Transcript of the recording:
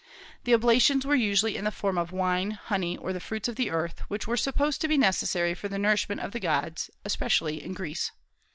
The oblations were usually in the form of wine, honey, or the fruits of the earth, which were supposed to be necessary for the nourishment of the gods, especially in Greece.